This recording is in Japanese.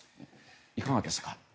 いかがですか？